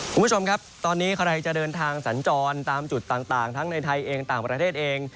คุณผู้ชมครับตอนนี้ใครจะเดินทางสัญจรตามจุดต่างทั้งในไทยเองต่างประเทศเอง